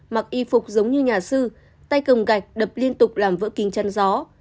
mặc y phục giống như nhà sư tay cầm gạch đập liên tục làm vỡ kính chăn gió